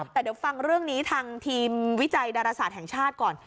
แต่เดี๋ยวฟังเรื่องนี้ทางทีมวิจัยดาราศาสตร์แห่งชาติก่อน